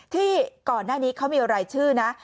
ที่ก่อนหน้านี้เขามีรายชื่อนะ